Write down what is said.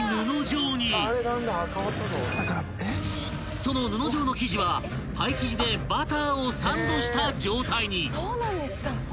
［その布状の生地はパイ生地でバターをサンドした状態に］